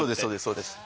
そうです